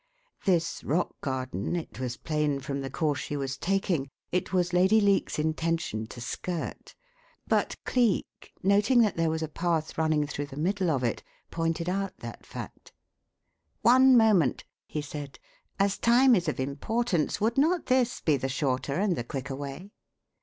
This rock garden, it was plain from the course she was taking, it was Lady Leake's intention to skirt, but Cleek, noting that there was a path running through the middle of it, pointed out that fact. "One moment!" he said. "As time is of importance, would not this be the shorter and the quicker way?"